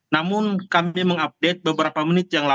namun kami mengupdate beberapa menit yang lalu